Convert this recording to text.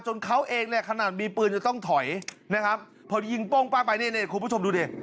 เขาเองเนี่ยขนาดมีปืนจะต้องถอยนะครับพอดียิงโป้งป้างไปนี่นี่คุณผู้ชมดูดิ